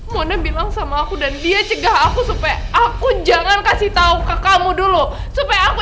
mone bilang sama aku dan dia cegah aku supaya aku jangan kasih tahu ke kamu dulu supaya aku